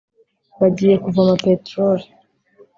bagiye kuvoma peteroli